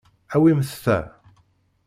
Awimt ta.